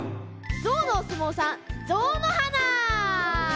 ゾウのおすもうさんゾウのはな！